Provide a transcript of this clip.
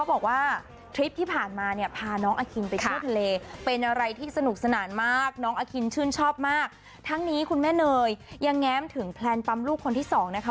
แต่ว่าเลือกไปปีหน้าละกล่าวว่าให้เขาห่างกันสัก๓ทางอะไรอย่างนี้นะคะ